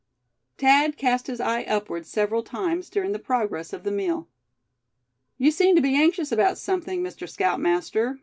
Thad cast his eye upward several times during the progress of the meal. "You seem to be anxious about something Mr. Scout Master?"